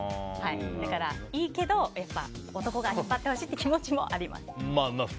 だから、いいけど男が引っ張ってほしいという気持ちもあります。